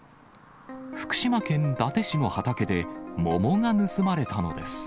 福島県伊達市の畑で、桃が盗まれたのです。